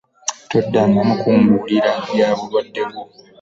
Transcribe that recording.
Toddangamu kumbuulira bya bulwadde bwo.